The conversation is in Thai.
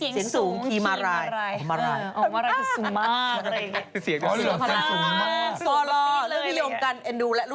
เสียงสูงทีมาราย